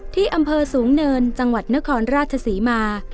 ที่อำเภอสูงเนินจังหวัดนครราชศรีมา